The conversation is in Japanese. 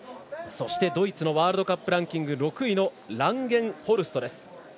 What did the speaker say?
そしてドイツのワールドカップ６位のランゲンホルストです。